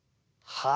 はい。